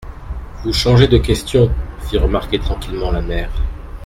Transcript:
Vous changez de question, fit remarquer tranquillement la mère.